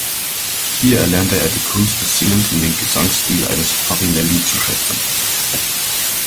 Hier erlernte er die Kunst des Singens und den Gesangsstil eines Farinelli zu schätzen.